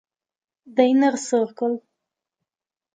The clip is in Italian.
The Inner Circle